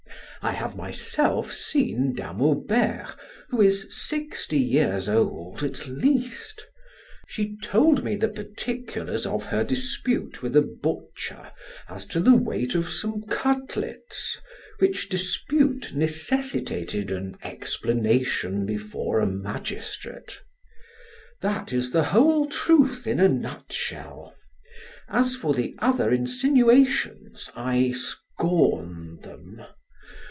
I have myself seen Dame Aubert, who is sixty years old at least; she told me the particulars of her dispute with a butcher as to the weight of some cutlets, which dispute necessitated an explanation before a magistrate. That is the whole truth in a nutshell. As for the other insinuations I scorn them.